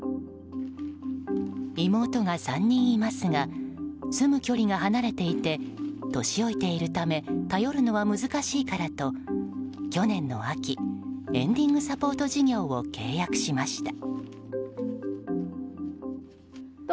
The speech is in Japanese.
妹が３人いますが住む距離が離れていて年老いているため頼るのは難しいからと去年の秋エンディングサポート事業を契約しました。